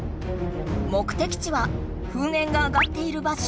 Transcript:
目的地はふんえんが上がっている場所。